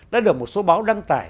đã được một số báo đăng tài